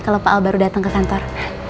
kalo pak al baru dateng ke kantor